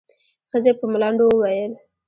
ښځې په ملنډو وويل.